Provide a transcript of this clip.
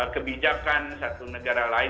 kebijakan satu negara lain